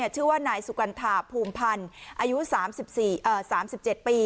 ชื่อว่านายสุกัณฑาภูมิพันธ์อายุ๓๗ปี